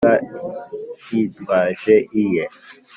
kuko yabaga yitwaje iye,